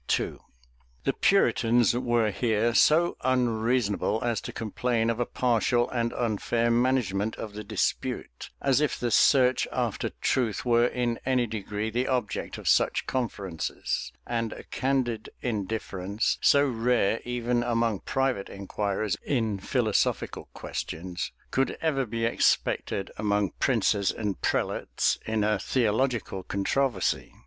[*] The Puritans were here so unreasonable as to complain of a partial and unfair management of the dispute; as if the search after truth were in any degree the object of such conferences, and a candid indifference, so rare even among private inquirers in philosophical questions, could ever be expected among princes and prelates, in a theological controversy.